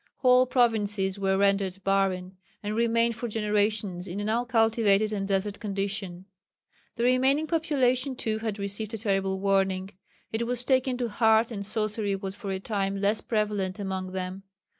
Whole provinces were rendered barren, and remained for generations in an uncultivated and desert condition. The remaining population too had received a terrible warning. It was taken to heart, and sorcery was for a time less prevalent among them.